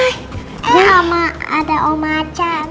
ini ada om achan